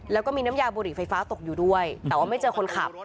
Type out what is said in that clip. แล้วก็มีน้ำยาบุหรี่ไฟฟ้าตกอยู่ด้วยแต่ว่าไม่เจอคนขับ